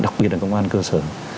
đặc biệt là công an cơ sở